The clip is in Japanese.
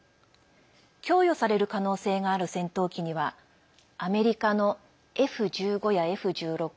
供与される可能性がある戦闘機にはアメリカのＦ１５やＦ１６